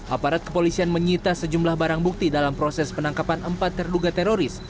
aparat kepolisian menyita sejumlah barang bukti dalam proses penangkapan empat terduga teroris